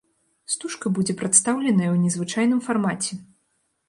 Стужка будзе прадстаўленая ў незвычайным фармаце.